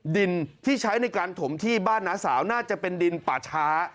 ดินที่ใช้ในการถมที่บ้านน้าสาวน่าจะเป็นดินป่าช้า